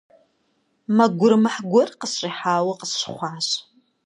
Мэ гурымыхь гуэр къысщӀихьауэ къысщыхъуащ.